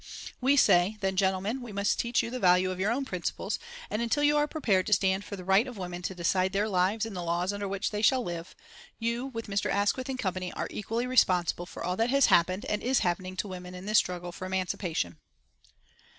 We say, 'Then, gentlemen, we must teach you the value of your own principles, and until you are prepared to stand for the right of women to decide their lives and the laws under which they shall live, you, with Mr. Asquith and company, are equally responsible for all that has happened and is happening to women in this struggle for emancipation.'"